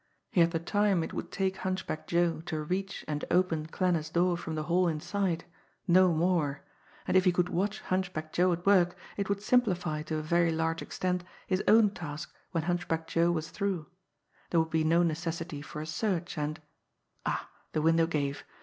He had the time it would take Hunchback Joe to reach and open Klanner's door from the hall inside no more. And if he could watch Hunchback Joe at work it would simplify to a very large extent his own task when Hunchback Joe was through; there would be no necessity for a search, and ah! The window gave.